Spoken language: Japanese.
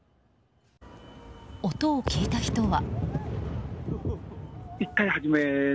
音を聞いた人は。